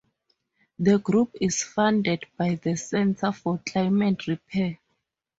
The group is funded by the Centre for Climate Repair.